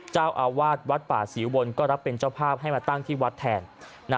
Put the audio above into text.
เจ้าอาวาสวัดป่าศรีอุบลก็รับเป็นเจ้าภาพให้มาตั้งที่วัดแทนนะ